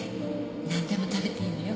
なんでも食べていいのよ